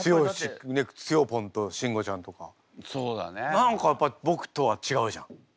何かやっぱ僕とはちがうじゃん。